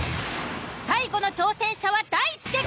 最後の挑戦者は大輔くん。